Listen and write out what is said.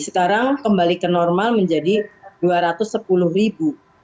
sekarang kembali ke normal menjadi rp dua ratus sepuluh